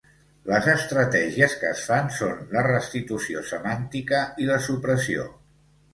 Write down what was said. Les estratègies que es fan són: la restitució semàntica i la supressió.